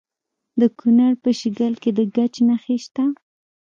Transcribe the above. د کونړ په شیګل کې د ګچ نښې شته.